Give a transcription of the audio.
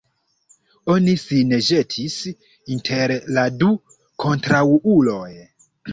Oni sin ĵetis inter la du kontraŭuloj.